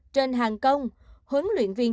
trên hàng công huấn luyện viên